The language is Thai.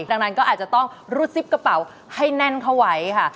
ดังนั้นก็อาจจะต้องรูดซิปกระเป๋าให้แน่นเข้าไว้ค่ะ